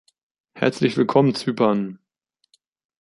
Herzlich Willkommen Zypern!